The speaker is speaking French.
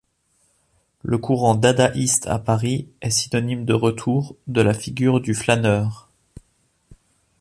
Le courant dadaïste à Paris est synonyme de retour de la figure du flâneur.